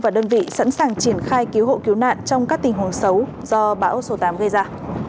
và đơn vị sẵn sàng triển khai cứu hộ cứu nạn trong các tình huống xấu do bão số tám gây ra